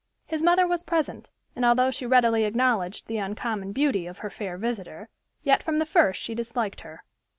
His mother was present, and although she readily acknowledged the uncommon beauty of her fair visitor, yet from the first she disliked her.